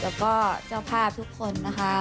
และเจ้าภาพทุกคน